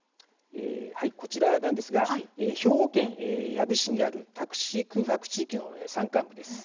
はい、こちらなんですが兵庫県養父市にあるタクシー空白地域の山間部です。